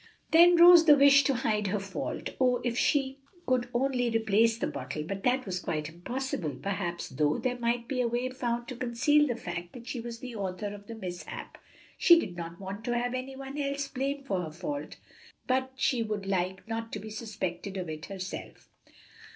Then arose the wish to hide her fault. Oh, if she could only replace the bottle! but that was quite impossible. Perhaps, though, there might be a way found to conceal the fact that she was the author of the mishap; she did not want to have any one else blamed for her fault, but she would like not to be suspected of it herself.